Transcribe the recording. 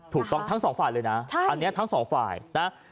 ถูกต้องทั้งสองฝ่ายเลยนะอันนี้ทั้งสองฝ่ายนะ